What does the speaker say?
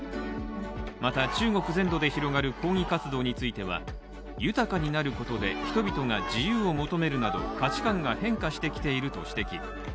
また、中国全土で広がる抗議活動については豊かになることで人々が自由を求めるなど、価値観が変化してきていると指摘。